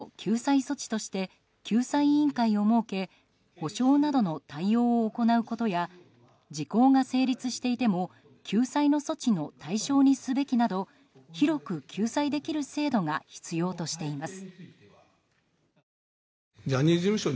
特別チームは被害者の救済措置として救済委員会を設け補償などの対応を行うことや時効が成立していても救済の措置の対象にすべきなど広く救済できる制度が必要としています。